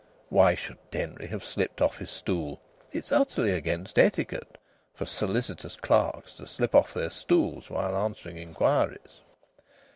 (Why should Denry have slipped off his stool? It is utterly against etiquette for solicitors' clerks to slip off their stools while answering inquiries.)